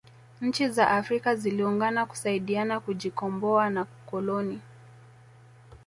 nchi za afrika ziliungana kusaidiana kujikomboa na ukoloni